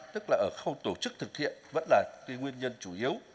tức là ở khâu tổ chức thực hiện vẫn là cái nguyên nhân chủ yếu